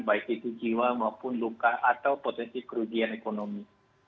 baik itu jiwa maupun luka atau potensi kerugian ekonomi